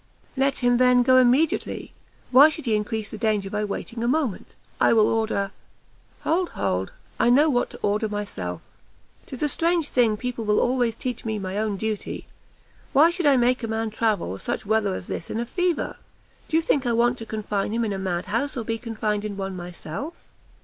"Let him, then, go immediately; why should he increase the danger by waiting a moment? I will order " "Hold, hold! I know what to order myself! 'Tis a strange thing people will always teach me my own duty! why should I make a man travel such weather as this in a fever? do you think I want to confine him in a mad house, or be confined in one myself?"